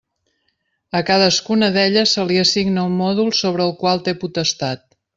A cadascuna d'elles se li assigna un mòdul sobre el qual té potestat.